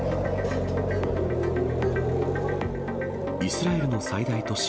イスラエルの最大都市